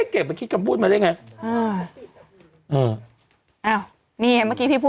เก๊่งมาคิดคำพูดมาได้ไงอ่าโอ้นี่เห็นไหมเมื่อกี้พี่พูด